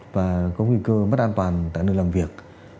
và có nguy cơ mất an toàn tại nơi làm việc